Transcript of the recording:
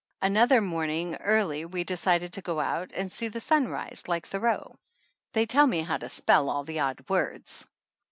Another morning early we decided to go out and see the sun rise, like Thoreau. (They tell me how to spell all the odd words.)